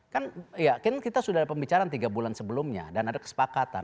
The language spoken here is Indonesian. kan ya kan kita sudah ada pembicaraan tiga bulan sebelumnya dan ada kesepakatan